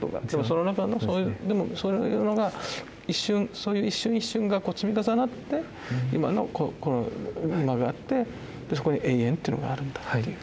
その中のでもそういう一瞬一瞬が積み重なって今のこの今があってそこに永遠というのがあるんだっていう。